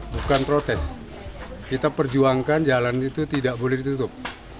bukan protes kita perjuangkan jalan itu tidak boleh ditutup